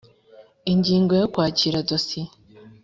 Ingingo ya Kwakira dosiye